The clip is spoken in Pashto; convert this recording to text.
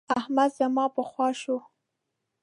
احمد زما پر خوا شو.